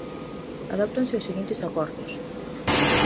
Adóptanse os seguintes acordos: